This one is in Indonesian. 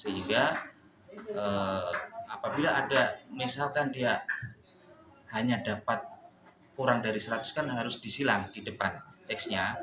sehingga apabila ada misalkan dia hanya dapat kurang dari seratus kan harus disilang di depan x nya